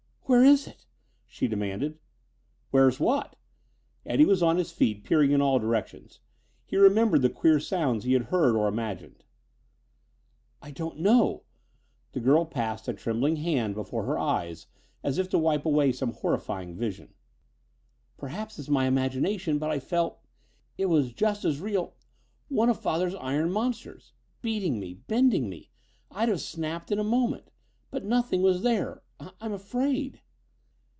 "Where is it?" she demanded. "Where's what?" Eddie was on his feet, peering in all directions. He remembered the queer sounds he had heard or imagined. "I I don't know." The girl passed a trembling hand before her eyes as if to wipe away some horrifying vision. "Perhaps it's my imagination, but I felt it was just as real one of father's iron monsters. Beating me; bending me. I'd have snapped in a moment. But nothing was there. I I'm afraid...."